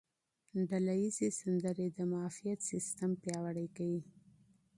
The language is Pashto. ډله ییزې سندرې د معافیت سیستم پیاوړی کوي.